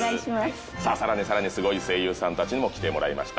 さあ更に更にスゴい声優さんたちにも来てもらいました。